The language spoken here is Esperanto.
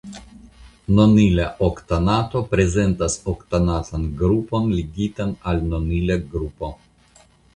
Nonila oktanato prezentas oktanatan grupon ligitan al nonila grupo.